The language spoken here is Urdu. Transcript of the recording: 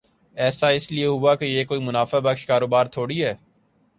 ایسا اس لئے ہے کہ یہ کوئی منافع بخش کاروبار تھوڑی ہے۔